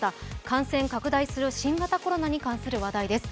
感染拡大する新型コロナに関する話題です。